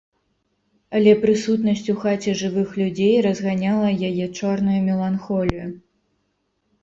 Але прысутнасць у хаце жывых людзей разганяла яе чорную меланхолію.